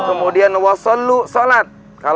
kemudian wasallu sholat